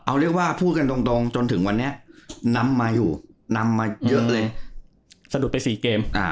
เอาเรียกว่าพูดกันตรงจนถึงวันนี้นำมาอยู่นำมาเยอะเลยสะดุดไป๔เกม